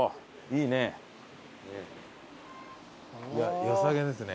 いやよさげですね